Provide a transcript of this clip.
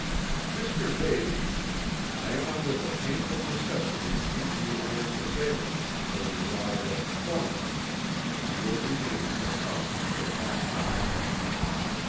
"Mr. Davies, I am under the painful necessity of keeping you under surveillance until the arrival of the coroner. You will remain in this house until that time."